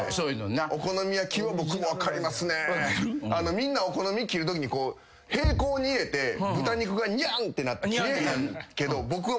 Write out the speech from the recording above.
みんなお好み切るときに平行に入れて豚肉がにゃんってなって切れへんけど僕は。